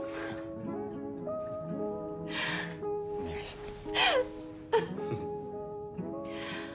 お願いします。